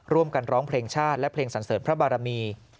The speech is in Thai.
ร่วมกันร้องเพลงชาติและเพลงศัลเซิร์ฟพระบารมี